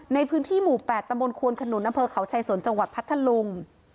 ในพื้นที่หมู่แปดตะมนต์ควนขนุลน้ำเพิ่ลเขาชายศนจังหวัดพัทธลุง